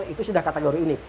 itu sudah kategori unik